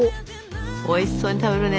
おいしそうに食べるね。